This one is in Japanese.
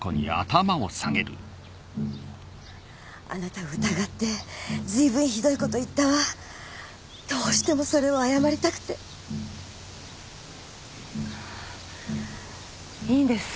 あなたを疑ってずいぶんひどいこと言どうしてもそれを謝りたくていいんです